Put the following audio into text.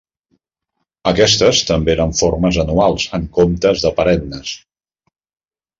Aquestes també eren formes anuals en comptes de perennes.